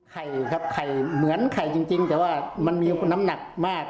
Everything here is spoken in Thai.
ไข่ครับไข่เหมือนไข่จริงแต่ว่ามันมีน้ำหนักมาก